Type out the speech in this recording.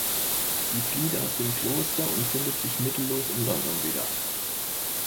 Sie flieht aus dem Kloster und findet sich mittellos in London wieder.